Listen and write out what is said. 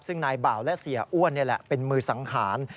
ซึ่งนายบ่าวและเสียอ้วนนี่แหละเป็นมือสังหาร